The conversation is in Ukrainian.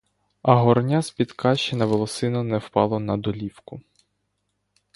А горня з-під каші на волосину не впало на долівку.